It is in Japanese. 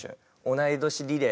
同い年リレー。